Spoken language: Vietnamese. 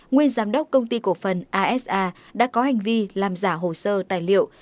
nguyên giám đốc công ty cổ phần asa đã có hành vi làm giả hồ sơ tài liệu